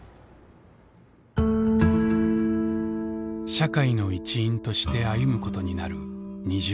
社会の一員として歩むことになる２０代。